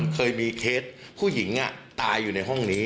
เคยมีเคสผู้หญิงตายอยู่ในห้องนี้